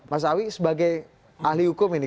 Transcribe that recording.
mas awi sebagai ahli hukum ini